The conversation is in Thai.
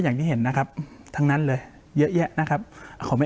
อย่างที่เห็นนะครับทั้งนั้นเลยเยอะแยะนะครับขอไม่